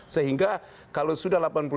sehingga kalau sudah